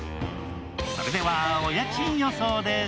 それではお家賃予想です。